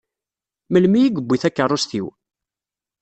Melmi i yewwi takeṛṛust-iw?